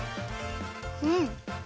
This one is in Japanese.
うん。